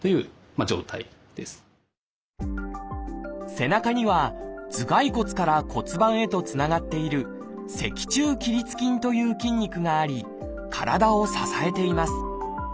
背中には頭蓋骨から骨盤へとつながっている「脊柱起立筋」という筋肉があり体を支えています。